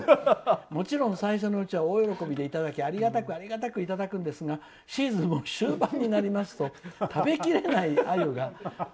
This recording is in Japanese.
もちろん最初のうちは大喜びでいただくんですがシーズンも終盤になりますと食べきれないアユが」。